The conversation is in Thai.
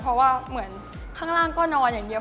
เพราะว่าเหมือนข้างล่างก็นอนอย่างเดียว